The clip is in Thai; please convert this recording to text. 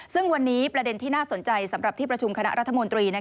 ซึ่งวันนี้ประเด็นที่น่าสนใจสำหรับที่ประชุมคณะรัฐมนตรี